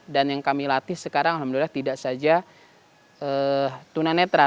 dan yang kami latih sekarang alhamdulillah tidak saja tunanetra